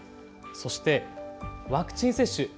そしてワクチン接種。